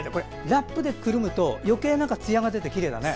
ラップで包むと余計につやが出てきれいだね。